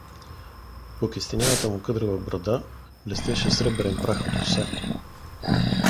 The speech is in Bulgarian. По кестенявата му къдрава брада блестеше сребърен прах от роса.